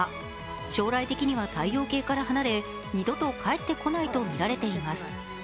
将来的には太陽系から離れ二度と帰ってこないとみられています。